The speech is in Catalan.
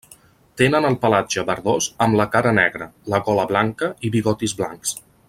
Tenen el pelatge verdós amb la cara negra, la gola blanca i bigotis blancs.